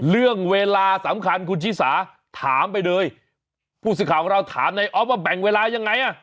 เรื่องเวลาสำคัญคุณชิสาถามไปเลยผู้สื่อข่าวของเราถามในออฟว่าแบ่งเวลายังไงอ่ะ